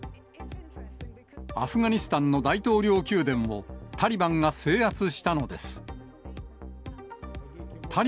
アフガニスタンの大統領宮殿をタリバンが制圧したのです。